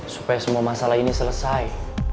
supaya semua masalah ini selesai